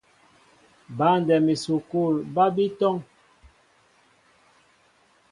Băndɛm esukul ba bi tɔŋ.